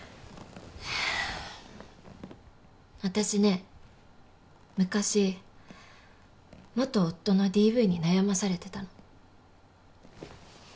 私ね昔元夫のＤＶに悩まされてたの。